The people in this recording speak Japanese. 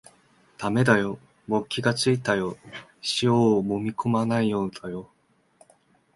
だめだよ、もう気がついたよ、塩をもみこまないようだよ